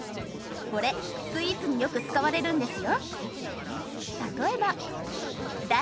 これスイーツによく使われるんですよ。